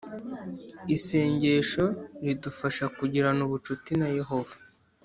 Isengesho ridufasha kugirana ubucuti na yehova